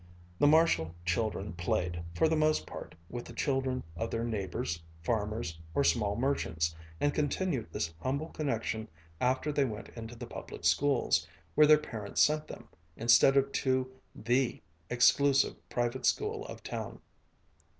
The Marshall children played, for the most part, with the children of their neighbors, farmers, or small merchants, and continued this humble connection after they went into the public schools, where their parents sent them, instead of to "the" exclusive private school of town.